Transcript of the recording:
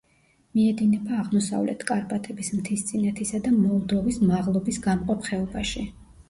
მიედინება აღმოსავლეთ კარპატების მთისწინეთისა და მოლდოვის მაღლობის გამყოფ ხეობაში.